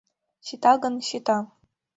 — Сита гын, сита!